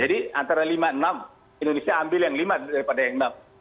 jadi antara lima enam indonesia ambil yang lima daripada yang enam